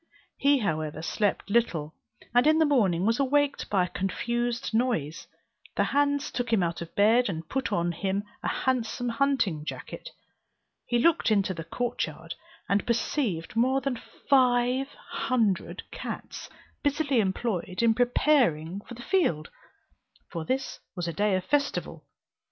He however slept little, and in the morning was awaked by a confused noise. The hands took him out of bed, and put on him a handsome hunting jacket. He looked into the court yard, and perceived more than five hundred cats, busily employed in preparing for the field, for this was a day of festival.